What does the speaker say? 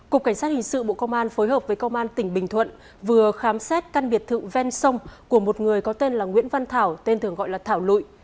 cục cảnh sát hình sự bộ công an phối hợp với công an tỉnh bình thuận vừa khám xét căn biệt thự ven sông của một người có tên là nguyễn văn thảo tên thường gọi là thảo lụy